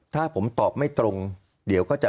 ถ้าผมตอบไม่ตรงเดี๋ยวก็จะ